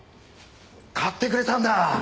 買ってくれたんだ！